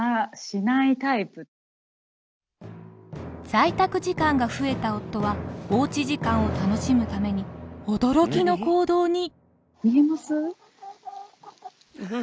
在宅時間が増えた夫はおうち時間を楽しむために驚きの行動に。